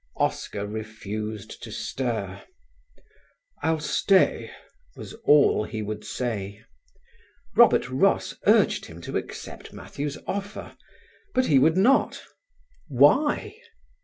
Oscar refused to stir. "I'll stay," was all he would say. Robert Ross urged him to accept Mathew's offer; but he would not: why?